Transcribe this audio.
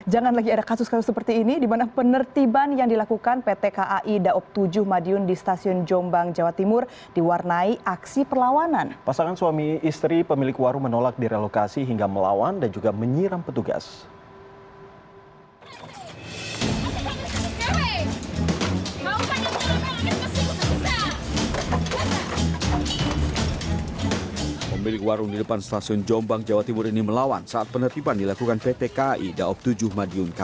jangan lagi ada kasus kasus seperti ini di mana penertiban yang dilakukan pt kai daob tujuh madiun di stasiun jombang jawa timur diwarnai aksi perlawanan